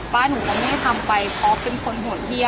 มันเป็นแบบที่สุดท้ายแต่มันเป็นแบบที่สุดท้าย